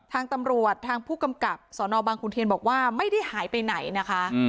ทางตำรวจทางผู้กำกับสนบางขุนเทียนบอกว่าไม่ได้หายไปไหนนะคะ